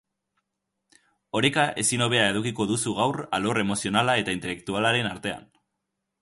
Oreka ezin hobea edukiko duzu gaur alor emozionala eta intelektualaren artean.